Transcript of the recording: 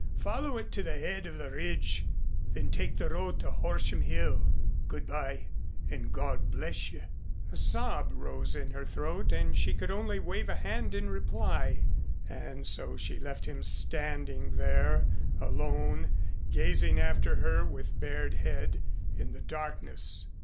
Follow it to the head of the ridge, then take the road to Horsham Hill. Good by and God bless you." A sob rose in her throat and she could only wave a hand in reply. And so she left him standing there alone gazing after her with bared head in the darkness.